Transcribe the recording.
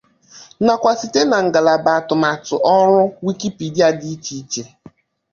nakwa site na ngalaba atụmatụ ọrụ Wikipedia dị iche iche